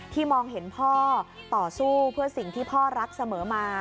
มองเห็นพ่อต่อสู้เพื่อสิ่งที่พ่อรักเสมอมา